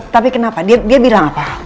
tapi kenapa dia bilang apa